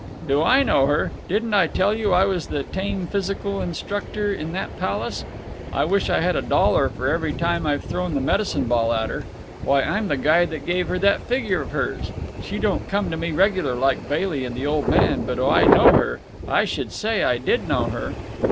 "Do I know her! Didn't I tell you I was the tame physical instructor in that palace? I wish I had a dollar for every time I've thrown the medicine ball at her. Why, I'm the guy that gave her that figure of hers. She don't come to me regular, like Bailey and the old man, but do I know her? I should say I did know her."